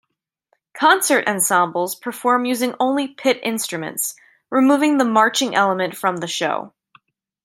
Concert ensembles perform using only pit instruments, removing the marching element from the show.